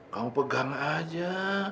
kamu pegang aja